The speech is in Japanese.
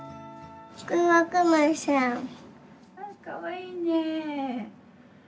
・かわいいね。